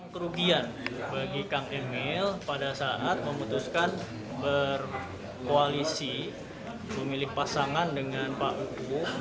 kerugian bagi kang emil pada saat memutuskan berkoalisi memilih pasangan dengan pak uu